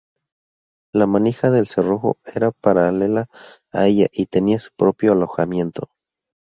La manija del cerrojo era paralela a ella y tenía su propio alojamiento.